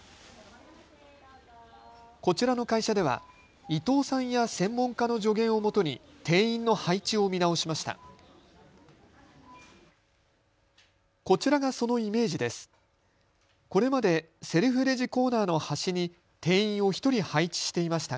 こちらの会社では伊東さんや専門家の助言をもとに店員の配置を見直しました。